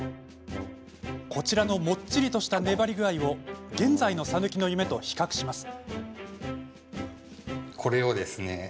こちらのもっちりとした粘り具合を現在のさぬきの夢と比較します。